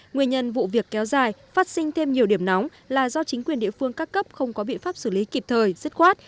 nguyên nhân vụ việc kéo dài phát sinh thêm nhiều điểm nóng là do chính quyền địa phương các cấp không có biện pháp xử lý kịp thời dứt khoát